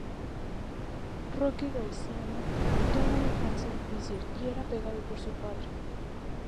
Rocky Graziano tuvo una infancia difícil y era pegado por su padre.